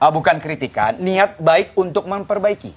bukan kritikan niat baik untuk memperbaiki